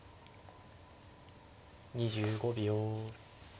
２５秒。